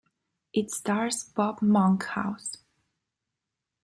It stars Bob Monkhouse.